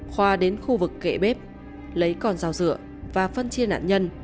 khóa đến khu vực kệ bếp lấy con rào dựa và phân chia nạn nhân